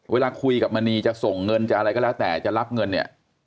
เวลาคุยกับมณีจะส่งเงินจะอะไรก็แล้วแต่จะรับเงินเนี่ย